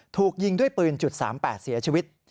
ถูกยิงด้วยปืน๓๘เสียชีวิต